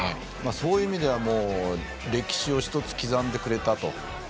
そういう意味では歴史を１つ刻んでくれたと。